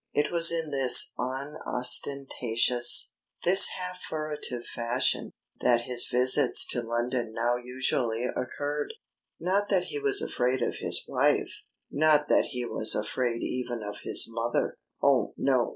It was in this unostentatious, this half furtive fashion, that his visits to London now usually occurred. Not that he was afraid of his wife! Not that he was afraid even of his mother! Oh, no!